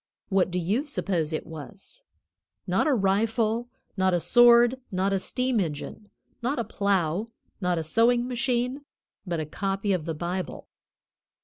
What do you suppose it was? Not a rifle, not a sword, not a steam engine, not a plow, not a sewing machine, but a copy of the Bible.